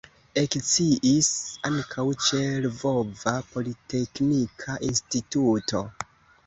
Lekciis ankaŭ ĉe Lvova Politeknika Instituto.